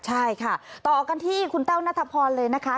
ใช่ค่ะต่อกันที่คุณแต้วนัทพรเลยนะคะ